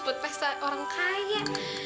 buat pesta orang kaya